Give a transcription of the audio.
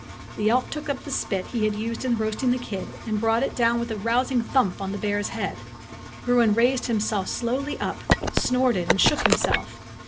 The elf took up the spit he had used in roasting the kid, and brought it down with a rousing thump on the bear's head. Bruin raised himself slowly up, snorted, and shook himself.